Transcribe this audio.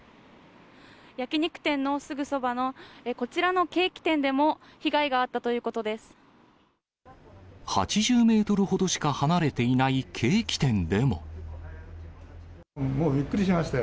焼き肉店のすぐそばのこちらのケーキ店でも、８０メートルほどしか離れてもうびっくりしましたよ。